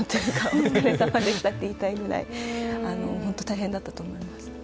お疲れさまでしたと言いたいくらい本当に大変だったと思います。